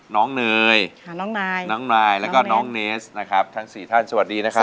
น้องเนยน้องนายแล้วก็น้องเนสนะครับทั้งสี่ท่านสวัสดีนะครับ